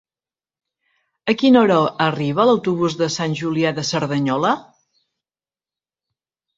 A quina hora arriba l'autobús de Sant Julià de Cerdanyola?